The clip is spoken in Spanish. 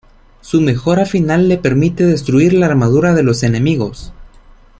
Su mejora final le permite destruir la armadura de los enemigos.